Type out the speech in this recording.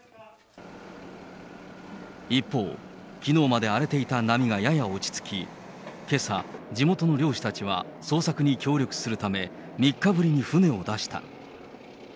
一方、きのうまで荒れていた波がやや落ち着き、けさ、地元の漁師たちは捜索に協力するため、３日ぶりに船を出した。